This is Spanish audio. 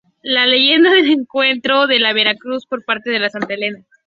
Leyenda del encuentro de la Vera Cruz por parte de Santa Elena.